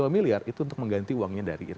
dua miliar itu untuk mengganti uangnya dari